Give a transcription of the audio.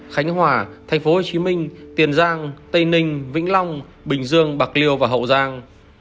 khánh hòa tp hcm tiền giang tây ninh vĩnh long bình dương bạc liêu và hậu giang